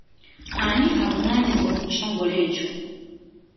Ani avunaanyizibwa ku kitongole ekyo?